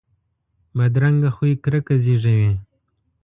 بدرنګه خوی کرکه زیږوي